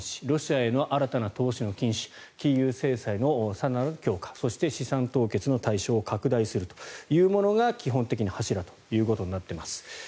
ロシアへの新たな投資の禁止金融制裁の更なる強化そして資産凍結の対象を拡大するというものが基本的な柱となっています。